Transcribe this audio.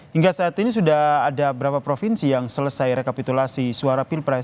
hingga saat ini sudah ada berapa provinsi yang selesai rekapitulasi suara pilpres